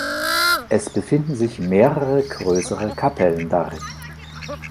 Es befinden sich mehrere größere Kapellen darin.